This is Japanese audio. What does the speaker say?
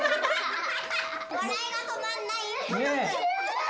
笑いが止まんない。